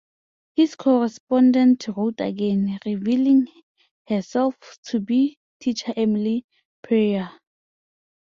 His correspondent wrote again, revealing herself to be teacher Emily Preyer.